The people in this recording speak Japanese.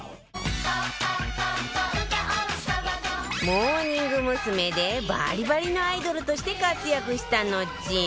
モーニング娘。でバリバリのアイドルとして活躍したのち